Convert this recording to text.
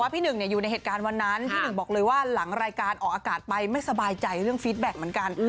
พี่หนึ่งอยู่ในเหตุการณ์วันนั้นพี่หนึ่งบอกเลยว่าหลังรายการออกอากาศไปไม่สบายใจเรื่องฟิตแบ็คเหมือนกัน